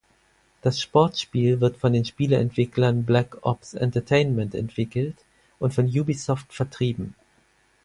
Das Sportspiel wird von den Spieleentwicklern Black Ops Entertainment entwickelt und von Ubisoft vertrieben.